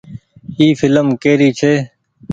اي ڦلم ڪي ري ڇي۔